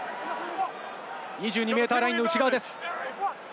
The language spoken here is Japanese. ２２ｍラインの内側です。